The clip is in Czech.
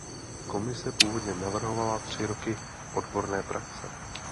Komise původně navrhovala tři roky odborné praxe.